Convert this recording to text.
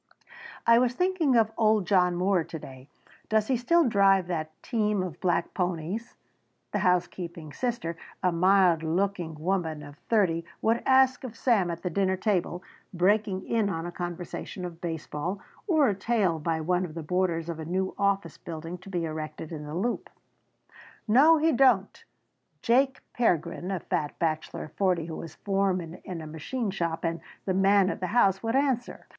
"I was thinking of old John Moore to day does he still drive that team of black ponies?" the housekeeping sister, a mild looking woman of thirty, would ask of Sam at the dinner table, breaking in on a conversation of baseball, or a tale by one of the boarders of a new office building to be erected in the Loop. "No, he don't," Jake Pergrin, a fat bachelor of forty who was foreman in a machine shop and the man of the house, would answer.